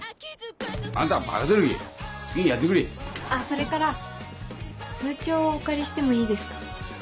それから通帳をお借りしてもいいですか？